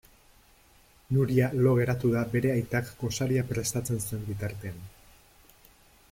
Nuria lo geratu da bere aitak gosaria prestatzen zuen bitartean.